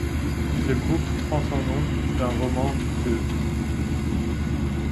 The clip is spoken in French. Le groupe prend son nom d'un roman d'E.